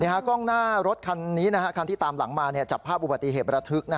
กล้องหน้ารถคันนี้คันที่ตามหลังมาจับภาพอุบัติเหตุระทึก